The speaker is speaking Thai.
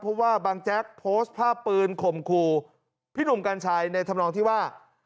เพราะว่าบางแจ๊กโพสต์ภาพปืนข่มขู่พี่หนุ่มกัญชัยในธรรมนองที่ว่า